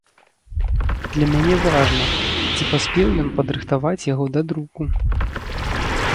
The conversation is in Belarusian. Для мяне важна, ці паспеў ён падрыхтаваць яго да друку.